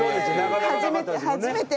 初めて初めて。